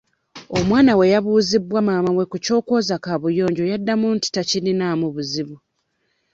Omwana bwe yabuuzibwa maama we ku ky'okwoza kaabuyonjo yaddamu nti takirinaamu buzibu.